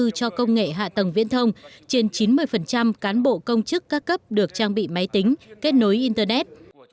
các bộ công nghệ hạ tầng viễn thông trên chín mươi cán bộ công chức ca cấp được trang bị máy tính kết nối internet